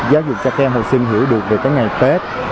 giáo dục cho các em học sinh hiểu được về cái ngày tết